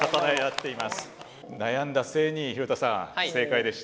悩んだ末に廣田さん正解でした。